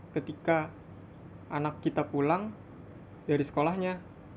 ketika anak kita pulang dari sekolahnya